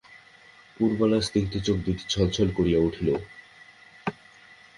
পুরবালার স্নিগ্ধ চোখ দুইটি ছলছল করিয়া উঠিল।